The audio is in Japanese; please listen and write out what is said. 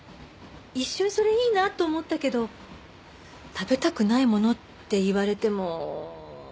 一瞬それいいなと思ったけど食べたくないものって言われても。